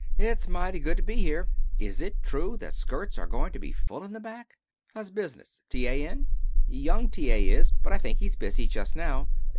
"It's mighty good to be here. Is it true that skirts are going to be full in the back? How's business? T. A. in?" "Young T. A. is. But I think he's busy just now.